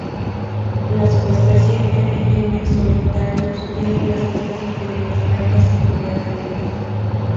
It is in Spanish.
La subespecie "M. m. solitarius" tiene las listas inferiores pardas en lugar de negras.